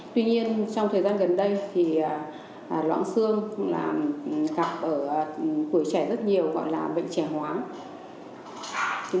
tuy nhiên trong thời gian gần đây thì loãng xương gặp ở tuổi trẻ rất nhiều gọi là bệnh trẻ hoáng